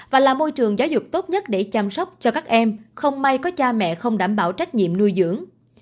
và là môi trường giáo dục tốt nhất để chăm sóc cho các em không may có cha mẹ không đảm bảo trách nhiệm nuôi dưỡng